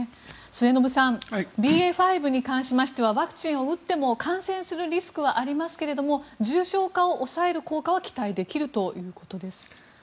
末延さんＢＡ．５に関しましてはワクチンを打っても感染するリスクはありますけども重症化を抑える効果は期待できるということです。